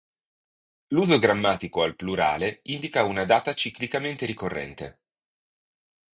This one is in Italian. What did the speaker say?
L'uso grammatico al plurale indica una data ciclicamente ricorrente.